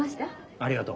ありがとう。